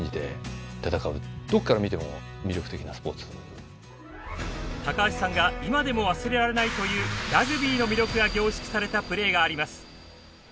どっから見ても高橋さんが今でも忘れられないというラグビーの魅力が凝縮されたプレーがあります。